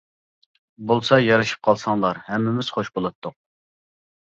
بولسا يارىشىپ قالساڭلار، ھەممىمىز خۇش بولاتتۇق.